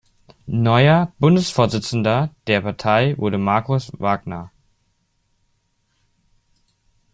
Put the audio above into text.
Neuer Bundesvorsitzender der Partei wurde Markus Wagner.